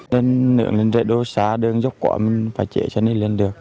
nên lượng lên rễ đô xá đường dốc quả mình phải chế cho nên lên được